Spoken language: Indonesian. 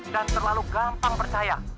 dan terlalu gampang percaya